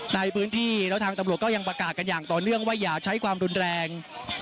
ในพื้นที่แล้วทางตำรวจก็ยังประกาศกันอย่างต่อเนื่องว่าอย่าใช้ความรุนแรง